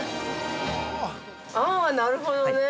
◆あ、なるほどね。